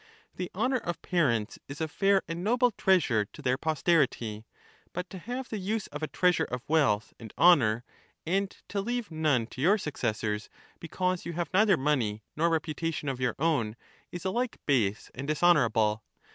The honour of parents is a fair and noble treasure to their posterity, but to have the use of a treasure of wealth and honour, and to leave none to your successors, because you have neither money nor reputation of your own, is alike base and dishonourable.